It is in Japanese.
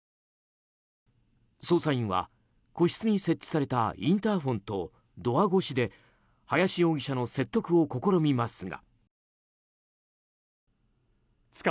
捜査員は個室に設置されたインターホンとドア越しで林容疑者の説得を試みますが。